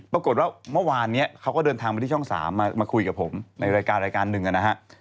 ปรากฏว่าเมื่อวานนี้เขาก็เดินทางมาที่ช่อง๓มาคุยกับผมในรายการรายการหนึ่งนะฮะ